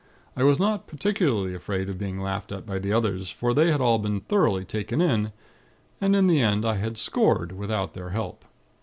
I was not particularly afraid of being laughed at by the others; for they had all been thoroughly 'taken in'; and in the end, I had scored, without their help.